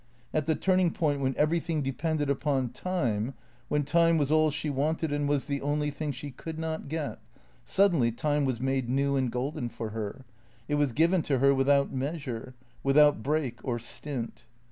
At the turning point when everything depended upon time, when time was all she wanted and was the one thing she could not get, suddenly time was made new and golden for her, it was given to her without meas ure, without break or stint.